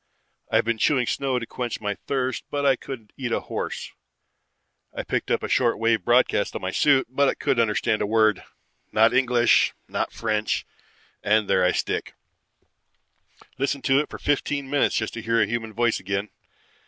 I've been chewing snow to quench my thirst but I could eat a horse. I picked up a short wave broadcast on my suit but couldn't understand a word. Not English, not French, and there I stick. Listened to it for fifteen minutes just to hear a human voice again.